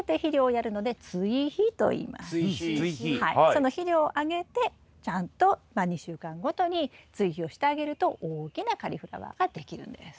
その肥料をあげてちゃんと２週間ごとに追肥をしてあげると大きなカリフラワーができるんです。